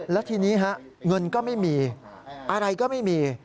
แล้วทีนี้ฮะเงินก็ไม่มีอะไรก็ไม่มี